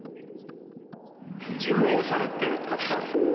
事務をされている方。